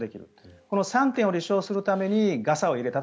この３点を立証するためにガサを入れたと。